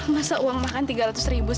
masa uang makan tiga ratus ribu